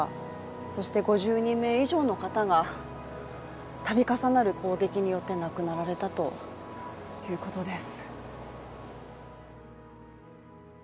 そして、５２名以上の方が度重なる砲撃によって亡くなられたということです。